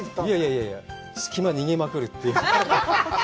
いやいや、隙間逃げまくるという。